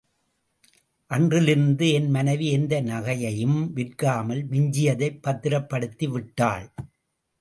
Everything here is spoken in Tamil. அன்றிலிருந்து என் மனைவி எந்த நகையையும் விற்காமல் மிஞ்சியதைப் பத்திரப்படுத்திவிட்டாள்.